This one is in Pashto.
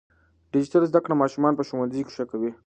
ډیجیټل زده کړه ماشومان په ښوونځي کې ښه کوي.